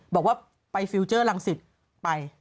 บอกว่าไปฟิลเจอร์รังสิตไป